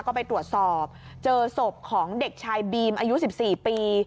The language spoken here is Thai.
ก็ไปตรวจสอบเจอศพของเด็กชายบีมอายุ๑๔ปี